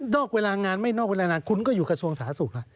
อกเวลางานไม่นอกเวลานานคุณก็อยู่กระทรวงสาธารณสุขล่ะ